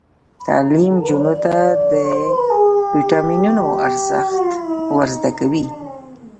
تعلیم نجونو ته د ویټامینونو ارزښت ور زده کوي.